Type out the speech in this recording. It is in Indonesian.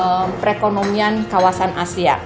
untuk perekonomian kawasan asia